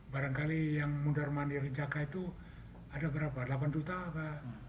barangkali yang mundur mandiri jakarta itu ada berapa delapan juta apa